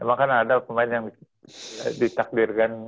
memang kan ada pemain yang ditakdirkan